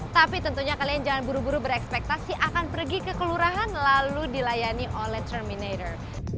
tapi tentunya kalian jangan buru buru berekspektasi akan pergi ke kelurahan lalu dilayani oleh terminator